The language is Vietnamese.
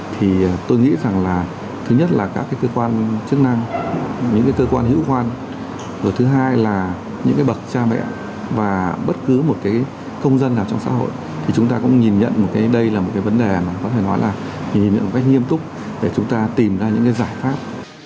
thì tôi nghĩ rằng là thứ nhất là các cái cơ quan chức năng những cái cơ quan hữu quan rồi thứ hai là những cái bậc cha mẹ và bất cứ một cái công dân nào trong xã hội thì chúng ta cũng nhìn nhận một cái đây là một cái vấn đề mà có thể nói là nhìn nhận một cách nghiêm túc để chúng ta tìm ra những cái giải pháp